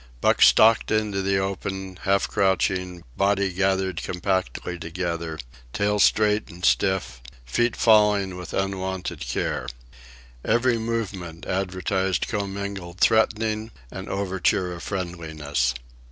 Buck stalked into the open, half crouching, body gathered compactly together, tail straight and stiff, feet falling with unwonted care. Every movement advertised commingled threatening and overture of friendliness.